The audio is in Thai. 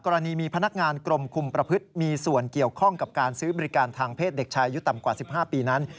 กรณีมีพนักงานกรมคุมประพฤติมีส่วนเกี่ยวข้องกับการซื้อบริการทางเพศเด็กชายอายุต่ำกว่า๑๕ปีนั้น